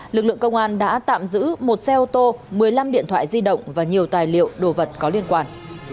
lực lượng công an đã tạm giữ một xe ô tô một mươi năm điện thoại di động và nhiều tài liệu đồ vật có liên quan